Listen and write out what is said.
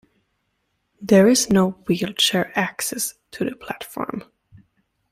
There is no wheelchair access to the platform.